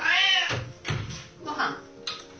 ごはん？